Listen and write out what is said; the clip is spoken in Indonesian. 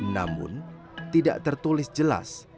namun tidak tertulis jelas